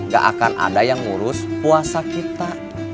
gak akan ada yang ngurus puasa kita